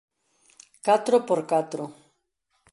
Catro x catro